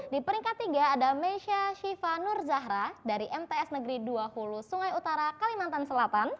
di peringkat tiga ada mesya syifa nurzahra dari mps negeri dua hulu sungai utara kalimantan selatan